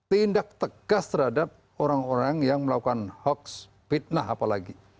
tindak tegas terhadap orang orang yang melakukan hoax fitnah apalagi